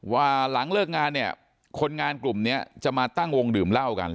ว่าหลังเลิกงานเนี่ยคนงานกลุ่มนี้จะมาตั้งวงดื่มเหล้ากัน